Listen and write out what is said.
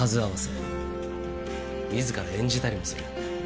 自ら演じたりもする。